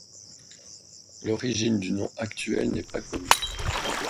L'origine du nom actuel n'est pas connue.